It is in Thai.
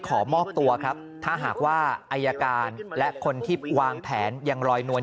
ขอมอบตัวครับถ้าหากว่าอายการและคนที่วางแผนยังลอยนวล